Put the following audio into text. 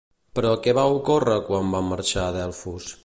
Però què va ocórrer quan van marxar a Delfos?